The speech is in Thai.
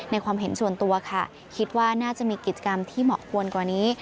ความเห็นส่วนตัวค่ะคิดว่าน่าจะมีกิจกรรมที่เหมาะควรกว่านี้